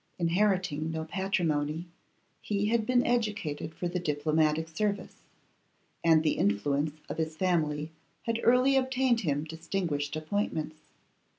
Inheriting no patrimony, he had been educated for the diplomatic service, and the influence of his family had early obtained him distinguished appointments.